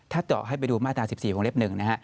ถ้าเจาะให้ไปดูมาตรา๑๔วงเล็บ๑นะฮะ